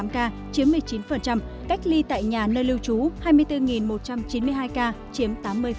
năm bảy trăm bốn mươi tám ca chiếm một mươi chín cách ly tại nhà nơi lưu trú hai mươi bốn một trăm chín mươi hai ca chiếm tám mươi